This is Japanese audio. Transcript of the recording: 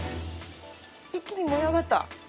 一気に燃え上がった。